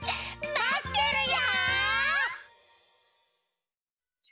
まってるよ！